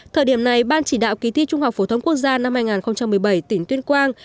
thời điểm này ban chỉ đạo kỳ thi trung học phổ thông quốc gia năm hai nghìn một mươi bảy tỉnh tuyên quang